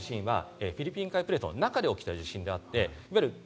今回の地震はフィリピン海プレートの中で起きた地震。